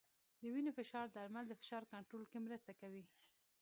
د وینې فشار درمل د فشار کنټرول کې مرسته کوي.